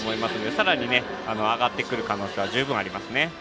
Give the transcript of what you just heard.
さらに、上がってくる可能性は十分ありますね。